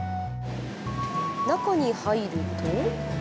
中に入ると。